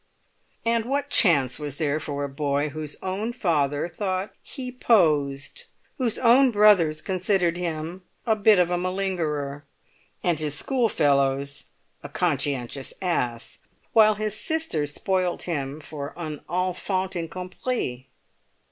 And what chance was there for a boy whose own father thought he posed, whose brothers considered him a bit of a malingerer, and his schoolfellows "a conscientious ass," while his sister spoilt him for _un enfant incompris?